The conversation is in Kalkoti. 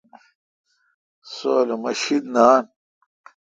سو الو مہ شید نان